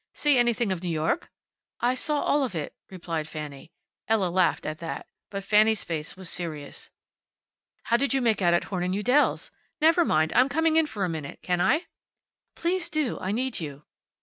"See anything of New York?" "I saw all of it," replied Fanny. Ella laughed at that, but Fanny's face was serious. "How did you make out at Horn & Udell's? Never mind, I'm coming in for a minute; can I?" "Please do. I need you."